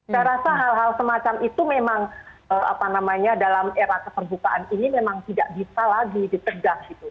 saya rasa hal hal semacam itu memang dalam era keperbukaan ini memang tidak bisa lagi ditegak